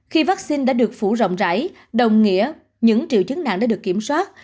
khi vaccine đã được phủ rộng rãi đồng nghĩa những triệu chứng nặng đã được kiểm soát